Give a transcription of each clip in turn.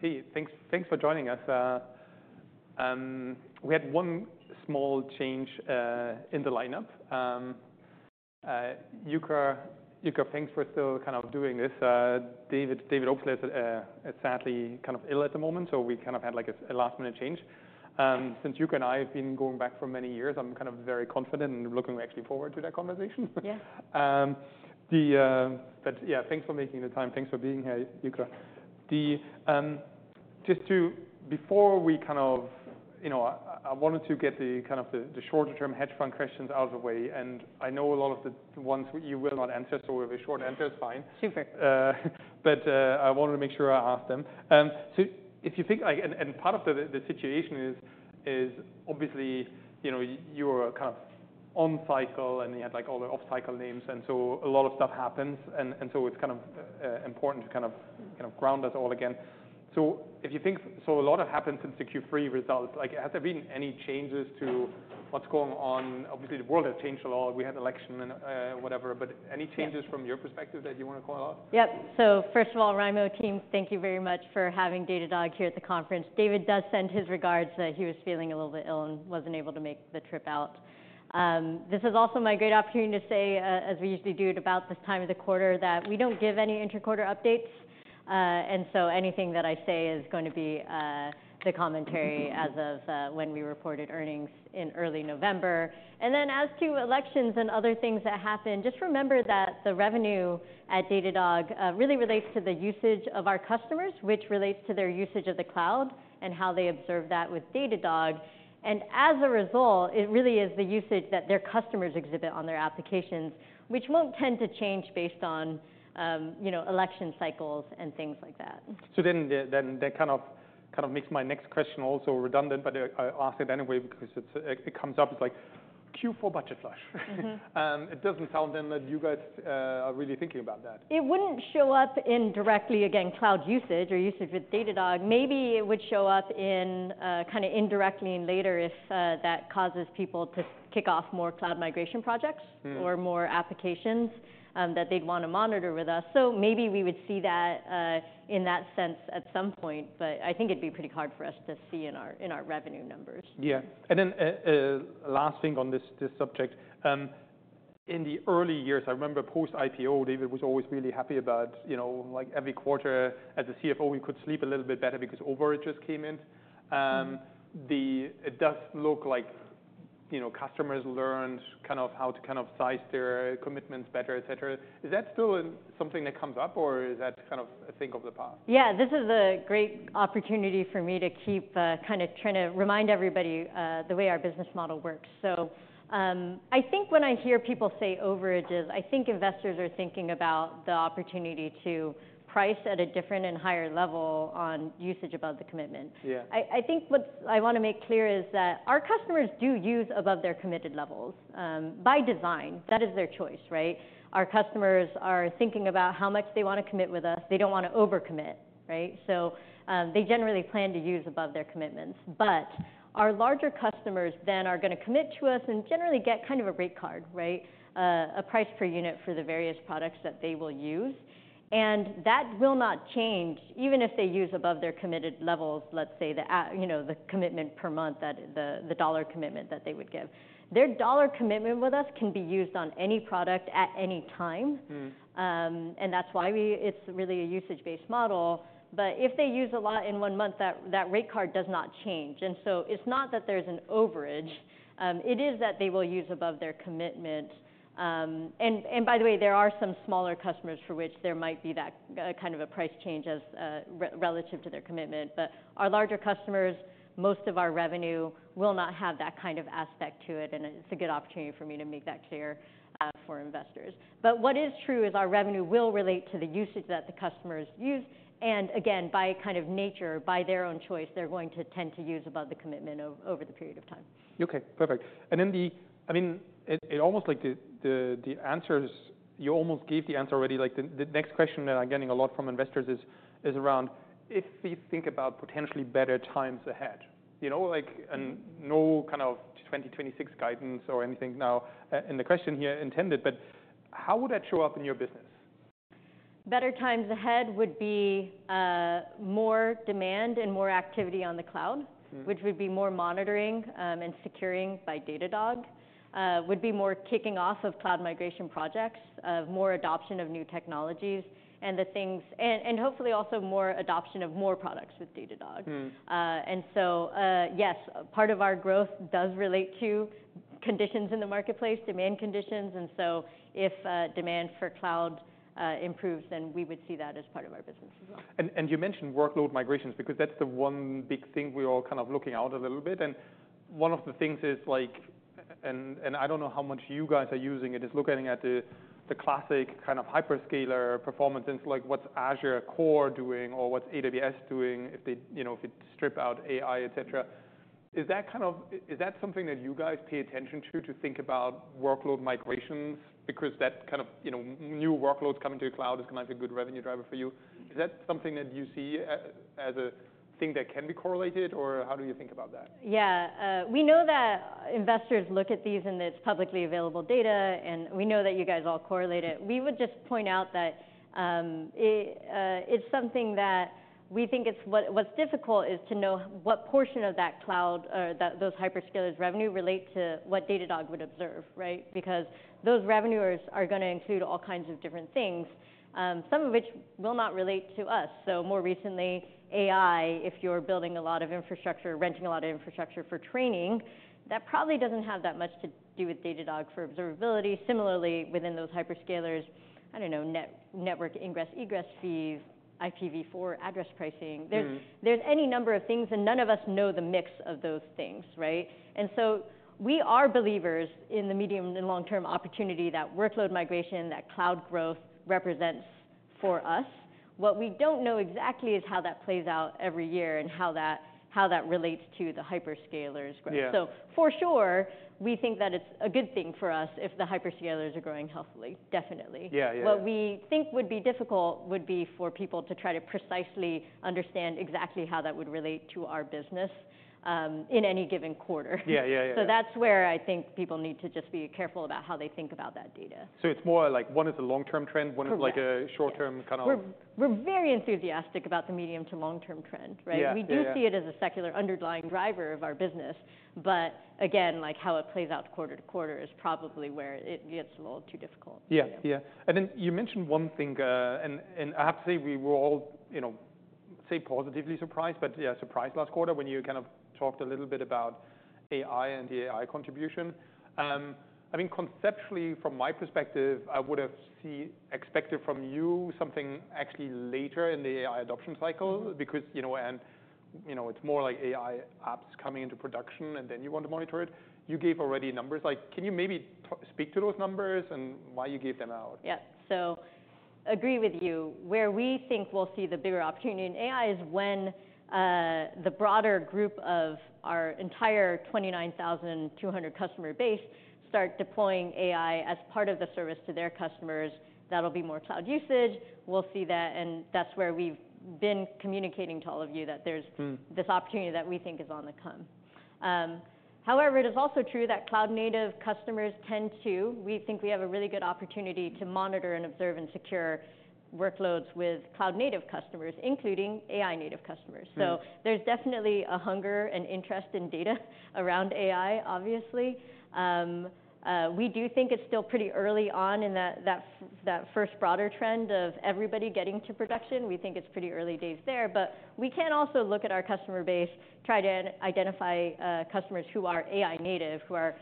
Perfect. Hey, thanks, thanks for joining us. We had one small change in the lineup. Yuka, Yuka, thanks for still kind of doing this. David Obstler is sadly kind of ill at the moment, so we kind of had like a last-minute change. Since Yuka and I have been going back for many years, I'm kind of very confident and looking actually forward to that conversation. Yeah. But yeah, thanks for making the time. Thanks for being here, Yuka. Just to before we kind of, you know, I wanted to get the kind of shorter-term hedge fund questions out of the way, and I know a lot of the ones you will not answer, so a short answer is fine. Super. But I wanted to make sure I asked them. So if you think, like, and part of the situation is obviously, you know, you're kind of on-cycle and you had like all the off-cycle names, and so a lot of stuff happens. And so it's kind of important to kind of ground us all again. So if you think so a lot has happened since the Q3 results. Like, has there been any changes to what's going on? Obviously, the world has changed a lot. We had an election and whatever. But any changes from your perspective that you want to call out? Yep, so first of all, Raimo team, thank you very much for having Datadog here at the conference. David does send his regards. He was feeling a little bit ill and wasn't able to make the trip out. This is also my great opportunity to say, as we usually do at about this time of the quarter, that we don't give any interquarter updates, and so anything that I say is going to be, the commentary as of, when we reported earnings in early November, and then as to elections and other things that happen, just remember that the revenue at Datadog really relates to the usage of our customers, which relates to their usage of the cloud and how they observe that with Datadog. As a result, it really is the usage that their customers exhibit on their applications, which won't tend to change based on, you know, election cycles and things like that. That kind of makes my next question also redundant, but I ask it anyway because it comes up. It's like Q4 budget flush. It doesn't sound then that you guys are really thinking about that. It wouldn't show up indirectly against cloud usage or usage with Datadog. Maybe it would show up in, kind of indirectly and later if, that causes people to kick off more cloud migration projects or more applications, that they'd want to monitor with us. So maybe we would see that, in that sense at some point, but I think it'd be pretty hard for us to see in our revenue numbers. Yeah. And then, last thing on this subject. In the early years, I remember post-IPO, David was always really happy about, you know, like every quarter as a CFO, he could sleep a little bit better because overage just came in. It does look like, you know, customers learned kind of how to kind of size their commitments better, et cetera. Is that still something that comes up or is that kind of a thing of the past? Yeah, this is a great opportunity for me to keep, kind of trying to remind everybody, the way our business model works. So, I think when I hear people say overages, I think investors are thinking about the opportunity to price at a different and higher level on usage above the commitment. Yeah. I think what I want to make clear is that our customers do use above their committed levels, by design. That is their choice, right? Our customers are thinking about how much they want to commit with us. They don't want to overcommit, right? So, they generally plan to use above their commitments, but our larger customers then are going to commit to us and generally get kind of a rate card, right? A price per unit for the various products that they will use. And that will not change even if they use above their committed levels, let's say, you know, the commitment per month, that the dollar commitment that they would give. Their dollar commitment with us can be used on any product at any time. Mm-hmm. And that's why we. It's really a usage-based model. But if they use a lot in one month, that rate card does not change. And so it's not that there's an overage. It is that they will use above their commitment. And by the way, there are some smaller customers for which there might be that kind of a price change as relative to their commitment. But our larger customers, most of our revenue will not have that kind of aspect to it. And it's a good opportunity for me to make that clear, for investors. But what is true is our revenue will relate to the usage that the customers use. And again, by kind of nature, by their own choice, they're going to tend to use above the commitment over the period of time. Okay. Perfect. And then, I mean, it almost like the answers. You almost gave the answer already. Like, the next question that I'm getting a lot from investors is around if we think about potentially better times ahead, you know, like and no kind of 2026 guidance or anything, not intended in the question here, but how would that show up in your business? Better times ahead would be more demand and more activity on the cloud, which would be more monitoring and securing by Datadog, would be more kicking off of cloud migration projects, more adoption of new technologies and the things, and hopefully also more adoption of more products with Datadog. Mm-hmm. And so, yes, part of our growth does relate to conditions in the marketplace, demand conditions. And so if demand for cloud improves, then we would see that as part of our business as well. You mentioned workload migrations because that's the one big thing we're all kind of looking out a little bit. One of the things is like, I don't know how much you guys are using it, is looking at the classic kind of hyperscaler performance and it's like what's Azure Core doing or what's AWS doing if they, you know, if it stripped out AI, et cetera. Is that kind of, is that something that you guys pay attention to, to think about workload migrations? Because that kind of, you know, new workloads coming to the cloud is going to have a good revenue driver for you. Is that something that you see, as a thing that can be correlated or how do you think about that? Yeah, we know that investors look at these and it's publicly available data and we know that you guys all correlate it. We would just point out that it's something that we think is difficult to know what portion of that cloud or those hyperscalers' revenue relate to what Datadog would observe, right? Because those revenues are going to include all kinds of different things, some of which will not relate to us. So more recently, AI, if you're building a lot of infrastructure, renting a lot of infrastructure for training, that probably doesn't have that much to do with Datadog for observability. Similarly, within those hyperscalers, I don't know, network ingress, egress fees, IPv4 address pricing. There's any number of things and none of us know the mix of those things, right? And so we are believers in the medium and long-term opportunity that workload migration, that cloud growth represents for us. What we don't know exactly is how that plays out every year and how that relates to the hyperscalers' growth. Yeah. For sure, we think that it's a good thing for us if the hyperscalers are growing healthily, definitely. Yeah, yeah. What we think would be difficult would be for people to try to precisely understand exactly how that would relate to our business, in any given quarter. Yeah, yeah, yeah. That's where I think people need to just be careful about how they think about that data. So it's more like one is a long-term trend, one is like a short-term kind of. We're very enthusiastic about the medium to long-term trend, right? Yeah. We do see it as a secular underlying driver of our business, but again, like how it plays out quarter to quarter is probably where it gets a little too difficult. Yeah, yeah. And then you mentioned one thing, and I have to say we were all, you know, positively surprised, but yeah, surprised last quarter when you kind of talked a little bit about AI and the AI contribution. I mean, conceptually, from my perspective, I would have expected from you something actually later in the AI adoption cycle because, you know, you know, it's more like AI apps coming into production and then you want to monitor it. You gave already numbers. Like, can you maybe speak to those numbers and why you gave them out? Yeah. So agree with you. Where we think we'll see the bigger opportunity in AI is when the broader group of our entire 29,200 customer base start deploying AI as part of the service to their customers, that'll be more cloud usage. We'll see that. And that's where we've been communicating to all of you that there's this opportunity that we think is on the come. However, it is also true that cloud-native customers tend to, we think we have a really good opportunity to monitor and observe and secure workloads with cloud-native customers, including AI-native customers. So there's definitely a hunger and interest in data around AI, obviously. We do think it's still pretty early on in that first broader trend of everybody getting to production. We think it's pretty early days there, but we can also look at our customer base, try to identify customers who are AI-native, who are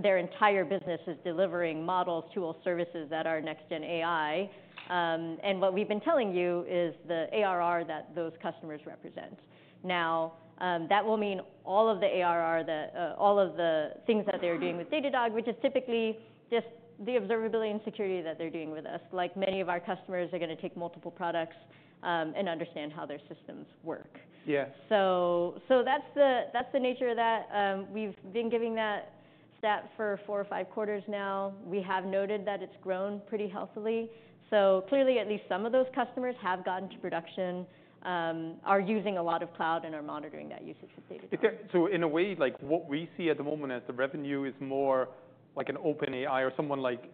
their entire business is delivering models, tools, services that are next-gen AI, and what we've been telling you is the ARR that those customers represent. Now, that will mean all of the ARR, all of the things that they're doing with Datadog, which is typically just the observability and security that they're doing with us. Like many of our customers are going to take multiple products, and understand how their systems work. Yeah. That's the nature of that. We've been giving that stat for four or five quarters now. We have noted that it's grown pretty healthily. Clearly, at least some of those customers have gotten to production, are using a lot of cloud and are monitoring that usage with Datadog. So in a way, like what we see at the moment as the revenue is more like an OpenAI or someone like,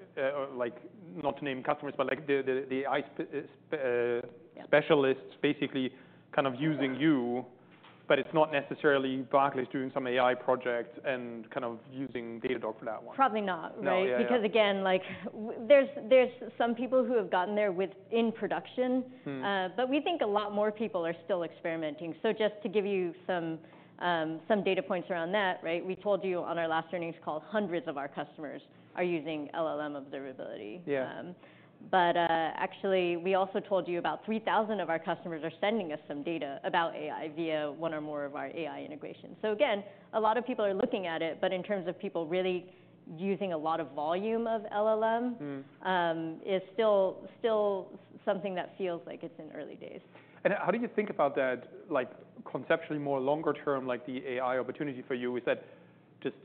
like not to name customers, but like the AI specialists basically kind of using you, but it's not necessarily Barclays doing some AI project and kind of using Datadog for that one. Probably not, right? Because again, like there's some people who have gotten there within production. Mm-hmm. But we think a lot more people are still experimenting. So just to give you some data points around that, right? We told you on our last earnings call, hundreds of our customers are using LLM observability. Yeah. But, actually we also told you about 3,000 of our customers are sending us some data about AI via one or more of our AI integrations. So again, a lot of people are looking at it, but in terms of people really using a lot of volume of LLM, is still something that feels like it's in early days. How do you think about that, like conceptually more longer term, like the AI opportunity for you? Is that just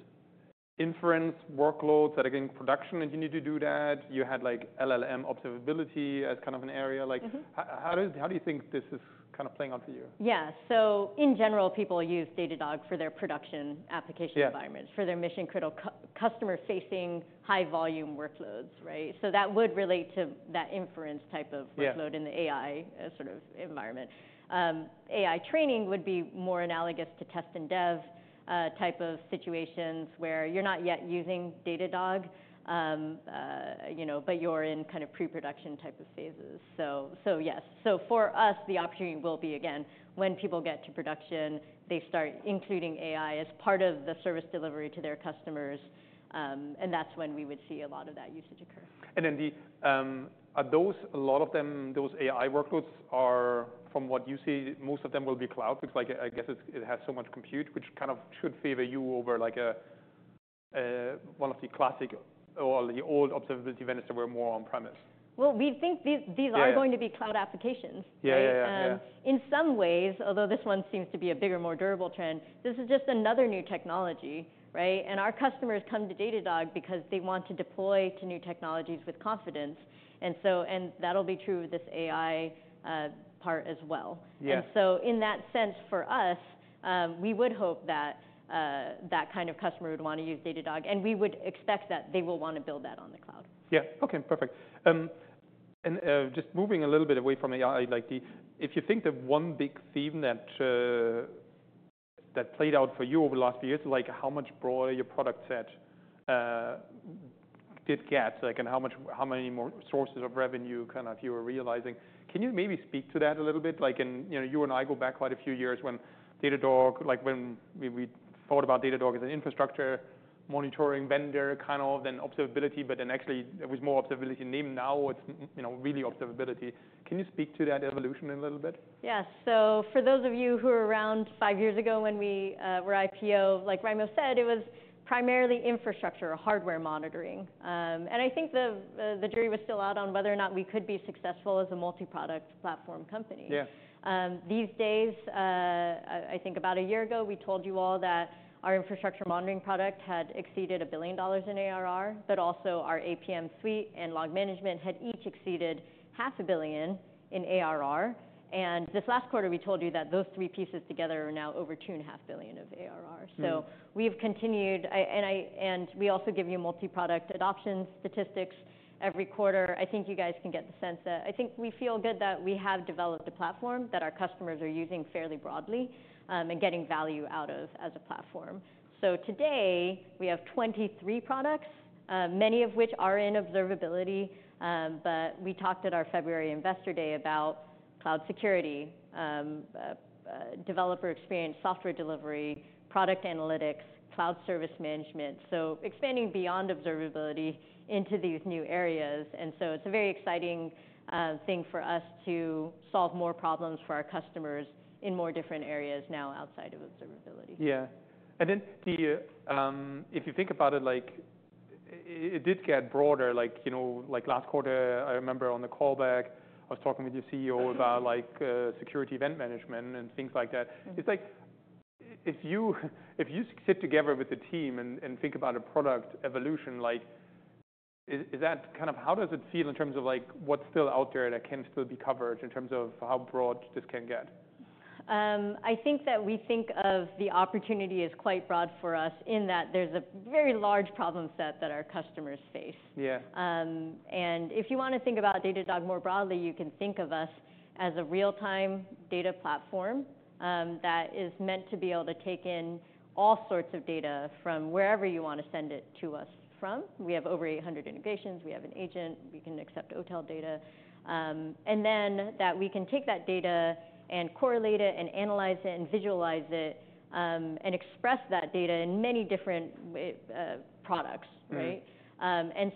inference workloads that are getting production and you need to do that? You had like LLM observability as kind of an area. Like, how does this, how do you think this is kind of playing out for you? Yeah. So in general, people use Datadog for their production application environment for their mission critical customer-facing high-volume workloads, right? So that would relate to that inference type of workload in the AI sort of environment. AI training would be more analogous to test and dev type of situations where you're not yet using Datadog, you know, but you're in kind of pre-production type of phases. So, so yes. So for us, the opportunity will be again when people get to production, they start including AI as part of the service delivery to their customers. And that's when we would see a lot of that usage occur. Are those a lot of them? Those AI workloads, from what you see, most of them will be cloud because, like, I guess it has so much compute, which kind of should favor you over like one of the classic or the old observability vendors that were more on-premise. We think these are going to be cloud applications, right? Yeah, yeah, yeah. And in some ways, although this one seems to be a bigger, more durable trend, this is just another new technology, right? And our customers come to Datadog because they want to deploy to new technologies with confidence. And so, that'll be true of this AI part as well. Yeah. And so in that sense for us, we would hope that that kind of customer would want to use Datadog and we would expect that they will want to build that on the cloud. Yeah. Okay. Perfect, and just moving a little bit away from AI, like the, if you think the one big theme that played out for you over the last few years, like how much broader your product set did get, like and how much, how many more sources of revenue kind of you were realizing. Can you maybe speak to that a little bit? Like in, you know, you and I go back quite a few years when Datadog, like when we thought about Datadog as an infrastructure monitoring vendor kind of, then observability, but then actually there was more observability in name. Now it's, you know, really observability. Can you speak to that evolution a little bit? Yeah. So for those of you who are around five years ago when we were IPO, like Raimo said, it was primarily infrastructure, hardware monitoring, and I think the jury was still out on whether or not we could be successful as a multi-product platform company. Yeah. These days, I think about a year ago we told you all that our Infrastructure Monitoring product had exceeded $1 billion in ARR, but also our APM suite and Log Management had each exceeded $500 million in ARR. This last quarter we told you that those three pieces together are now over $2.5 billion of ARR. We've continued, and we also give you multi-product adoption statistics every quarter. I think you guys can get the sense that I think we feel good that we have developed a platform that our customers are using fairly broadly, and getting value out of as a platform. Today we have 23 products, many of which are in observability. We talked at our February investor day about Cloud Security, Developer Experience, Software Delivery, Product Analytics, Cloud Service Management. So expanding beyond observability into these new areas. And so it's a very exciting thing for us to solve more problems for our customers in more different areas now outside of observability. Yeah, and then, if you think about it, like, it did get broader, like, you know, like last quarter, I remember on the callback I was talking with your CEO about like, security event management and things like that. It's like if you sit together with the team and think about a product evolution, like, is that kind of how does it feel in terms of like what's still out there that can still be covered in terms of how broad this can get? I think that we think of the opportunity as quite broad for us in that there's a very large problem set that our customers face. Yeah. If you want to think about Datadog more broadly, you can think of us as a real-time data platform that is meant to be able to take in all sorts of data from wherever you want to send it to us from. We have over 800 integrations. We have an agent. We can accept OTel data. And then we can take that data and correlate it and analyze it and visualize it, and express that data in many different products, right?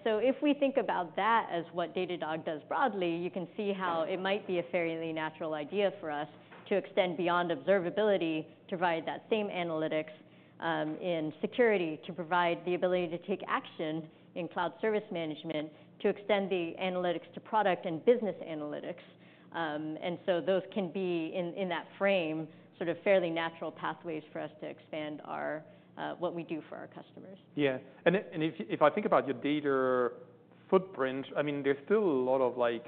So if we think about that as what Datadog does broadly, you can see how it might be a fairly natural idea for us to extend beyond observability to provide that same analytics in security, to provide the ability to take action in Cloud Service Management, to extend the analytics to product and business analytics. And so those can be in that frame, sort of fairly natural pathways for us to expand our what we do for our customers. Yeah. And if I think about your data footprint, I mean, there's still a lot of like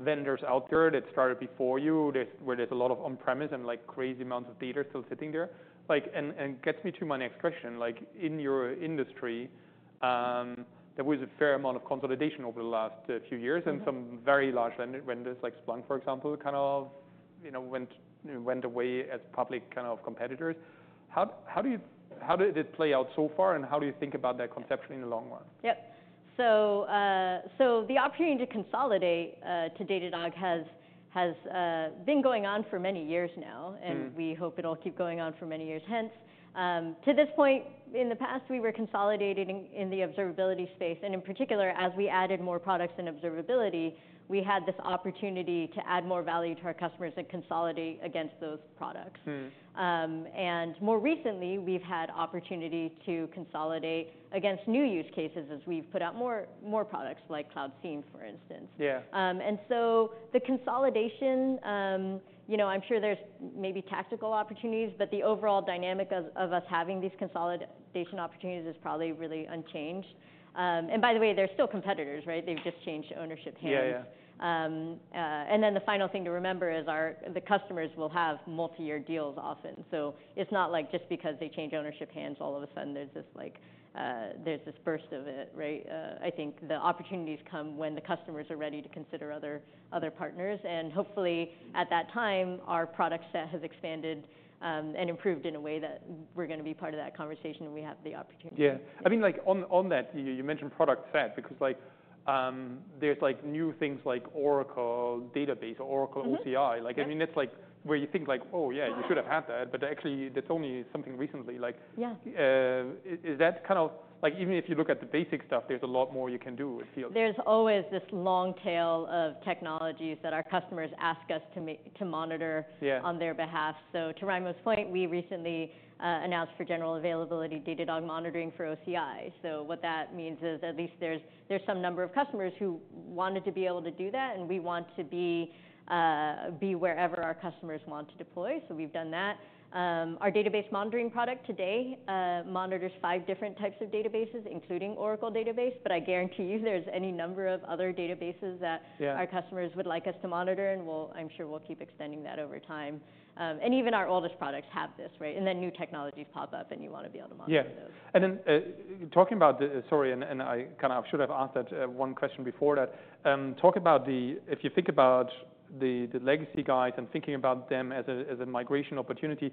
vendors out there that started before you. There's a lot of on-premise and like crazy amounts of data still sitting there. Like, gets me to my next question. Like in your industry, there was a fair amount of consolidation over the last few years and some very large vendors like Splunk, for example, kind of, you know, went away as public kind of competitors. How did it play out so far and how do you think about that consolidation in the long run? Yep. So the opportunity to consolidate to Datadog has been going on for many years now and we hope it'll keep going on for many years. Hence, to this point in the past, we were consolidating in the observability space, and in particular, as we added more products in observability, we had this opportunity to add more value to our customers and consolidate against those products, and more recently we've had opportunity to consolidate against new use cases as we've put out more products like Cloud SIEM, for instance. Yeah. And so the consolidation, you know, I'm sure there's maybe tactical opportunities, but the overall dynamic of us having these consolidation opportunities is probably really unchanged. And by the way, they're still competitors, right? They've just changed ownership hands. Yeah, yeah. And then the final thing to remember is our, the customers will have multi-year deals often. So it's not like just because they change ownership hands, all of a sudden there's this like, there's this burst of it, right? I think the opportunities come when the customers are ready to consider other, other partners. And hopefully at that time, our product set has expanded, and improved in a way that we're going to be part of that conversation and we have the opportunity. Yeah. I mean, like on that, you mentioned product set because like, there's like new things like Oracle Database or Oracle OCI. Like, I mean, that's like where you think like, oh yeah, you should have had that, but actually that's only something recently. Like. Yeah. Is that kind of like even if you look at the basic stuff, there's a lot more you can do? There's always this long tail of technologies that our customers ask us to monitor. Yeah. On their behalf. So to Raimo's point, we recently announced for general availability Datadog monitoring for OCI. So what that means is at least there's some number of customers who wanted to be able to do that and we want to be wherever our customers want to deploy. So we've done that. Our Database Monitoring product today monitors five different types of databases, including Oracle Database, but I guarantee you there's any number of other databases that our customers would like us to monitor and we'll, I'm sure, we'll keep extending that over time. And even our oldest products have this, right? And then new technologies pop up and you want to be able to monitor those. Yeah. And then, talking about the, sorry, and I kind of should have asked that one question before that. Talk about the, if you think about the legacy guys and thinking about them as a migration opportunity.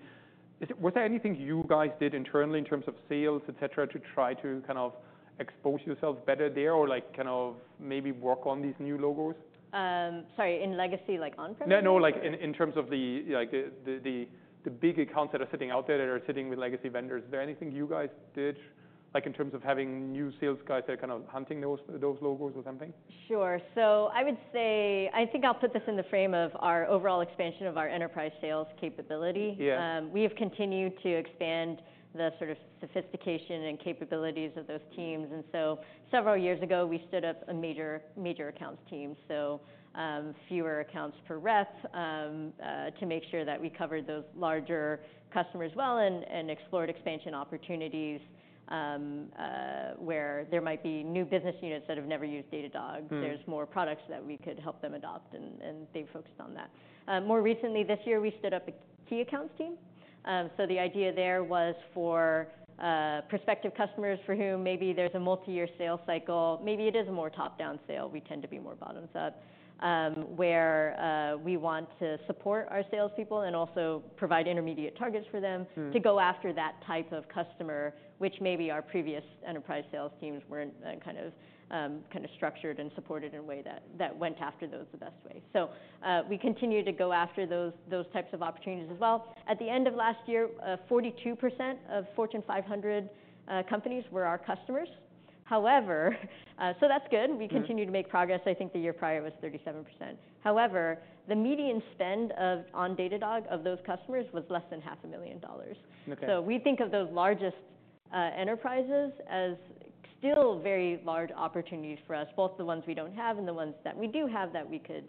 Was there anything you guys did internally in terms of sales, et cetera, to try to kind of expose yourself better there or like kind of maybe work on these new logos? Sorry, in legacy, like on-premises? No, no, like in terms of the big accounts that are sitting out there that are sitting with legacy vendors, is there anything you guys did like in terms of having new sales guys that are kind of hunting those logos or something? Sure. So I would say, I think I'll put this in the frame of our overall expansion of our enterprise sales capability. Yeah. We have continued to expand the sort of sophistication and capabilities of those teams, and so several years ago we stood up a major, Major Accounts team, so fewer accounts per rep, to make sure that we covered those larger customers well and explored expansion opportunities, where there might be new business units that have never used Datadog. There's more products that we could help them adopt, and they've focused on that. More recently this year we stood up a Key Accounts team, so the idea there was for prospective customers for whom maybe there's a multi-year sales cycle, maybe it is a more top-down sale. We tend to be more bottoms up, where we want to support our salespeople and also provide intermediate targets for them to go after that type of customer, which maybe our previous enterprise sales teams weren't kind of structured and supported in a way that went after those the best way. So, we continue to go after those types of opportunities as well. At the end of last year, 42% of Fortune 500 companies were our customers. However, so that's good. We continue to make progress. I think the year prior was 37%. However, the median spend on Datadog of those customers was less than $500,000. Okay. We think of those largest enterprises as still very large opportunities for us, both the ones we don't have and the ones that we do have that we could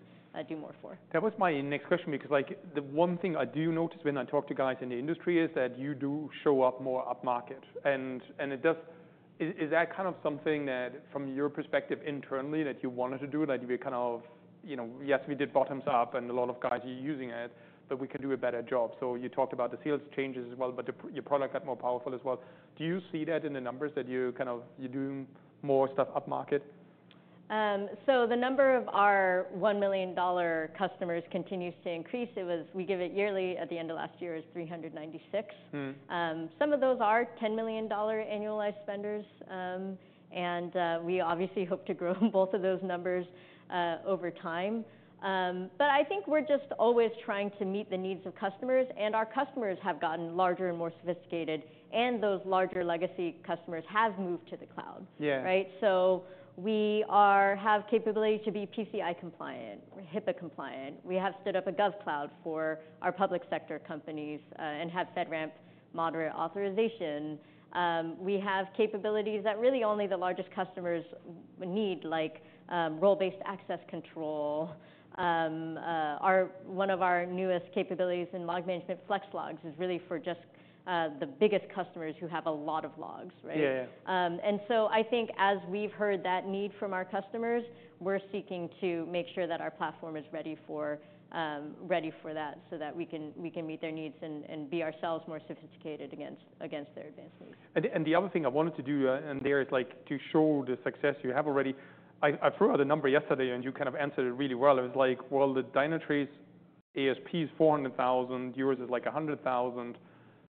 do more for. That was my next question because, like, the one thing I do notice when I talk to guys in the industry is that you do show up more upmarket. And is that kind of something that from your perspective internally that you wanted to do, like you were kind of, you know, yes, we did bottoms up and a lot of guys are using it, but we can do a better job. So you talked about the sales changes as well, but your product got more powerful as well. Do you see that in the numbers that you kind of, you're doing more stuff upmarket? So the number of our $1 million customers continues to increase. It was. We give it yearly at the end of last year as 396. Some of those are $10 million annualized spenders. And, we obviously hope to grow both of those numbers, over time. But I think we're just always trying to meet the needs of customers and our customers have gotten larger and more sophisticated and those larger legacy customers have moved to the cloud. Yeah. Right? So we have capability to be PCI compliant, HIPAA compliant. We have stood up a GovCloud for our public sector companies, and have FedRAMP Moderate authorization. We have capabilities that really only the largest customers need, like, role-based access control. One of our newest capabilities in Log Management, Flex Logs, is really for just the biggest customers who have a lot of logs, right? Yeah, yeah. And so I think as we've heard that need from our customers, we're seeking to make sure that our platform is ready for that so that we can meet their needs and be ourselves more sophisticated against their advanced needs. The other thing I wanted to do in there is like to show the success you have already. I threw out a number yesterday and you kind of answered it really well. It was like, well, the Dynatrace ASP is $400,000, yours is like $100,000.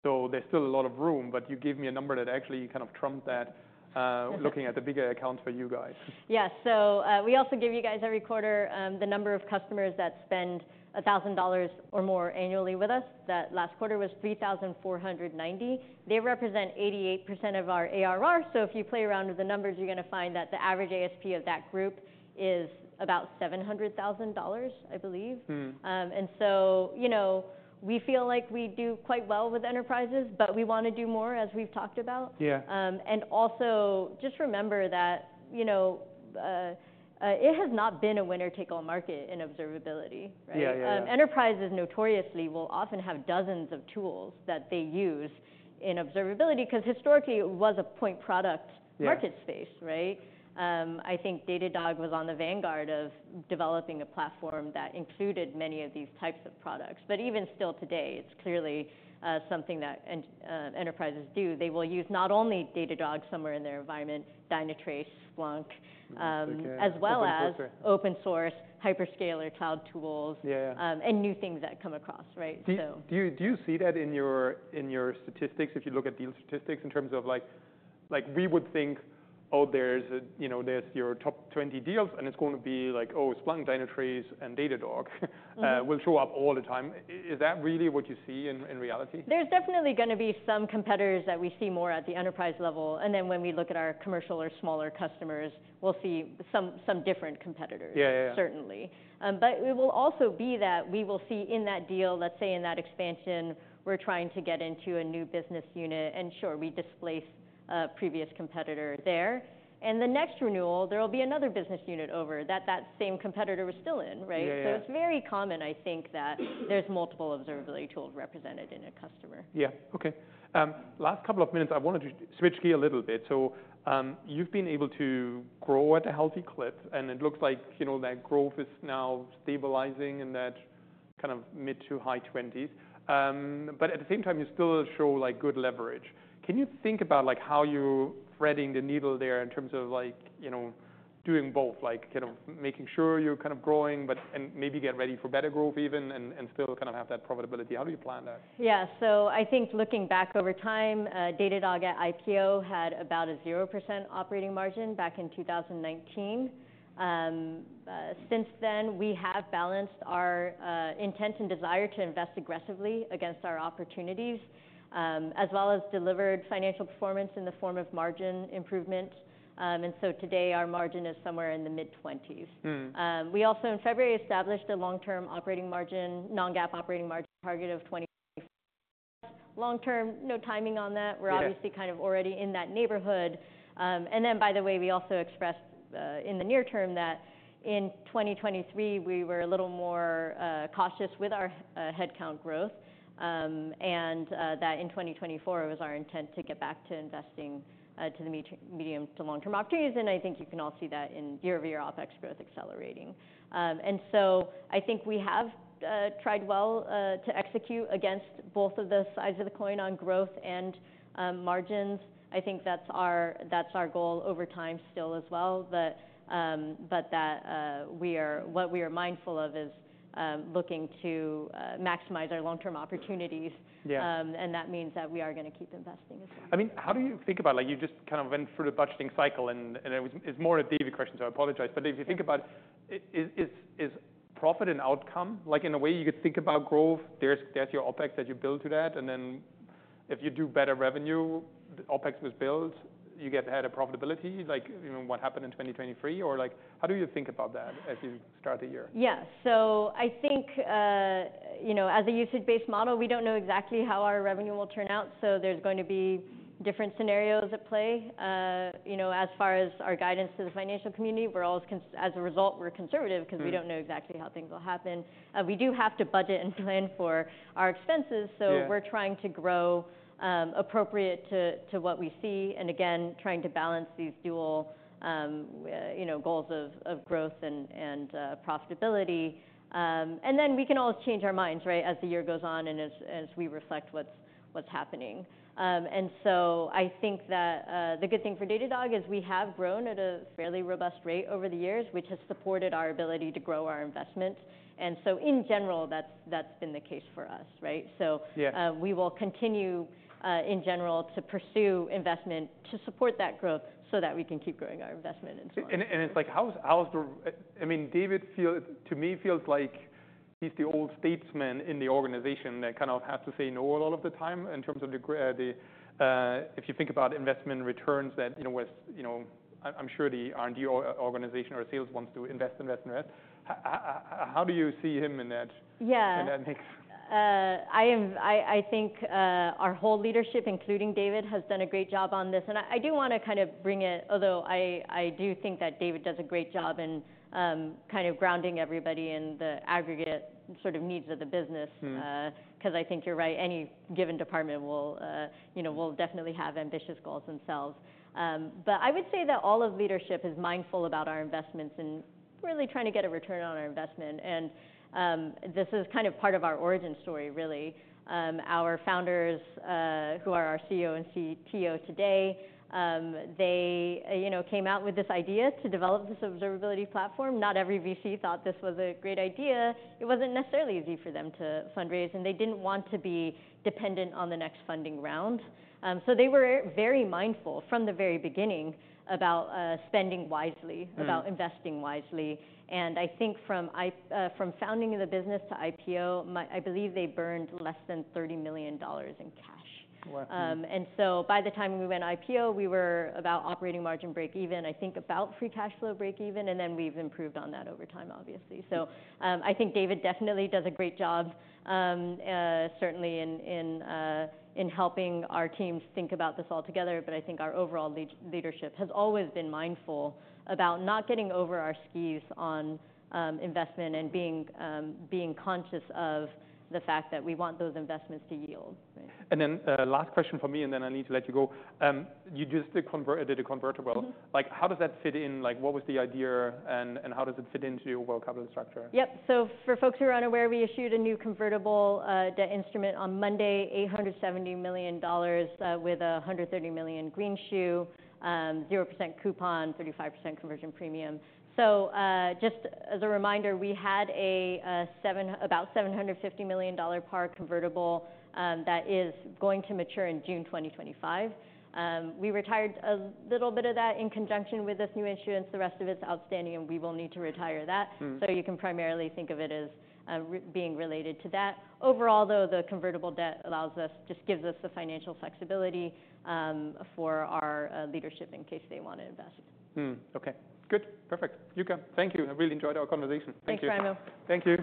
So there's still a lot of room, but you gave me a number that actually kind of trumped that, looking at the bigger accounts for you guys. Yeah. So, we also give you guys every quarter the number of customers that spend $1,000 or more annually with us. That last quarter was 3,490. They represent 88% of our ARR. So if you play around with the numbers, you're going to find that the average ASP of that group is about $700,000, I believe, and so, you know, we feel like we do quite well with enterprises, but we want to do more as we've talked about. Yeah. And also just remember that, you know, it has not been a winner take all market in observability, right? Yeah, yeah, yeah. Enterprises notoriously will often have dozens of tools that they use in observability because historically it was a point product market space, right? I think Datadog was on the vanguard of developing a platform that included many of these types of products. But even still today, it's clearly something that enterprises do. They will use not only Datadog somewhere in their environment, Dynatrace, Splunk, as well as open source, hyperscaler, cloud tools. Yeah, yeah. And new things that come across, right? So. Do you see that in your statistics if you look at deal statistics in terms of like we would think, oh, there's, you know, your top 20 deals and it's going to be like, oh, Splunk, Dynatrace, and Datadog will show up all the time? Is that really what you see in reality? There's definitely going to be some competitors that we see more at the enterprise level, and then when we look at our commercial or smaller customers, we'll see some different competitors. Yeah, yeah, yeah. Certainly, but it will also be that we will see in that deal, let's say in that expansion, we're trying to get into a new business unit. And sure, we displace a previous competitor there. And the next renewal, there'll be another business unit over that that same competitor was still in, right? Yeah. So it's very common, I think, that there's multiple observability tools represented in a customer. Yeah. Okay. Last couple of minutes, I wanted to switch gear a little bit. So, you've been able to grow at a healthy clip and it looks like, you know, that growth is now stabilizing in that kind of mid- to high twenties. But at the same time, you still show like good leverage. Can you think about like how you're threading the needle there in terms of like, you know, doing both, like kind of making sure you're kind of growing, but, and maybe get ready for better growth even and, and still kind of have that profitability? How do you plan that? Yeah. So I think looking back over time, Datadog at IPO had about a 0% operating margin back in 2019. Since then we have balanced our intent and desire to invest aggressively against our opportunities, as well as delivered financial performance in the form of margin improvement. And so today our margin is somewhere in the mid twenties. We also in February established a long-term operating margin, non-GAAP operating margin target of 20% long-term, no timing on that. We're obviously kind of already in that neighborhood. And then by the way, we also expressed in the near term that in 2023 we were a little more cautious with our headcount growth. And that in 2024 it was our intent to get back to investing to the medium to long-term opportunities. And I think you can all see that in year-over-year OpEx growth accelerating. So I think we have tried well to execute against both of the sides of the coin on growth and margins. I think that's our goal over time still as well. But what we are mindful of is looking to maximize our long-term opportunities. Yeah. And that means that we are going to keep investing as well. I mean, how do you think about, like you just kind of went through the budgeting cycle and it was, it's more a David question, so I apologize. But if you think about it, is profit and outcome, like in a way you could think about growth, there's your OpEx that you build to that. And then if you do better revenue, OpEx was built, you get ahead of profitability, like what happened in 2023 or like, how do you think about that as you start the year? Yeah. So I think, you know, as a usage-based model, we don't know exactly how our revenue will turn out. So there's going to be different scenarios at play. You know, as far as our guidance to the financial community, we're always, as a result, we're conservative because we don't know exactly how things will happen. We do have to budget and plan for our expenses. So we're trying to grow appropriate to what we see and again, trying to balance these dual, you know, goals of growth and profitability. And then we can always change our minds, right, as the year goes on and as we reflect what's happening. And so I think that the good thing for Datadog is we have grown at a fairly robust rate over the years, which has supported our ability to grow our investment. And so in general, that's, that's been the case for us, right? So, we will continue, in general to pursue investment to support that growth so that we can keep growing our investment as well. It's like, how's the, I mean, David feels to me like he's the old statesman in the organization that kind of has to say no all of the time in terms of the if you think about investment returns that, you know, with, you know, I'm sure the R&D organization or sales wants to invest, invest, invest. How do you see him in that? Yeah. In that mix? I think our whole leadership, including David, has done a great job on this. And I do want to kind of bring it, although I do think that David does a great job in kind of grounding everybody in the aggregate sort of needs of the business. Because I think you're right. Any given department will, you know, will definitely have ambitious goals themselves. But I would say that all of leadership is mindful about our investments and really trying to get a return on our investment. And this is kind of part of our origin story really. Our founders, who are our CEO and CTO today, they, you know, came out with this idea to develop this observability platform. Not every VC thought this was a great idea. It wasn't necessarily easy for them to fundraise and they didn't want to be dependent on the next funding round, so they were very mindful from the very beginning about spending wisely, about investing wisely. And I think from founding of the business to IPO, I believe they burned less than $30 million in cash. Wow. And so by the time we went IPO, we were about operating margin break even, I think about free cash flow break even. And then we've improved on that over time, obviously. So, I think David definitely does a great job, certainly in helping our teams think about this all together. But I think our overall leadership has always been mindful about not getting over our skis on investment and being conscious of the fact that we want those investments to yield. And then, last question for me, and then I need to let you go. You just did a convertible. Like how does that fit in? Like what was the idea and how does it fit into your overall capital structure? Yep. So for folks who are unaware, we issued a new convertible instrument on Monday, $870 million, with a $130 million greenshoe, 0% coupon, 35% conversion premium. So, just as a reminder, we had about $750 million par convertible that is going to mature in June 2025. We retired a little bit of that in conjunction with this new instrument. The rest of it's outstanding and we will need to retire that. So you can primarily think of it as being related to that. Overall though, the convertible debt allows us just gives us the financial flexibility for our leadership in case they want to invest. Okay. Good. Perfect. Yuka, thank you. I really enjoyed our conversation. Thank you. Thanks, Raimo. Thank you.